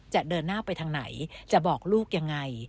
เดินหน้าไปทางไหนจะบอกลูกยังไง